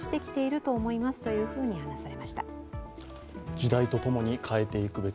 時代と共に変えていくべき。